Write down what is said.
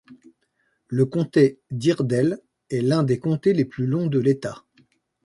Le comté d'Iredell est l'un des comtés les plus longs de l'état.